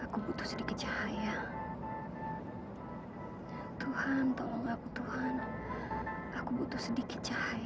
mobilnya udah berhenti